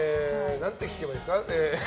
何て聞けばいいですか？